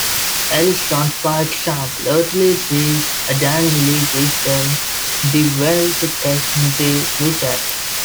Elles sont par exemple utilisées dans le système de vérification de WeChat.